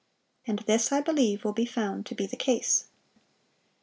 And this, I believe, will be found to be the case."